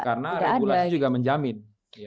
karena regulasi juga menjamin